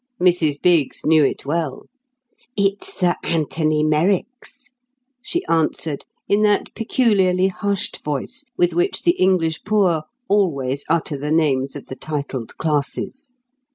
Mrs Biggs knew it well; "It's Sir Anthony Merrick's," she answered in that peculiarly hushed voice with which the English poor always utter the names of the titled classes.